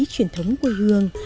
truyền thống quê hương